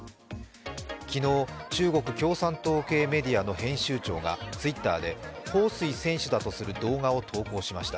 昨日、中国共産党系メディアの編集長が彭帥選手だとする動画を投稿しました。